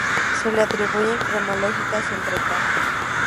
Se le atribuyen cronologías entre ca.